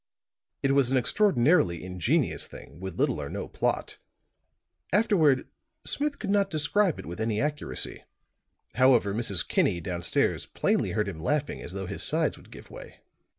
It was an extraordinarily ingenious thing, with little or no plot; afterward Smith could not describe it with any accuracy. However, Mrs. Kinney, down stairs, plainly heard him laughing as though his sides would give way.